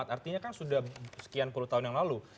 artinya kan sudah sekian puluh tahun yang lalu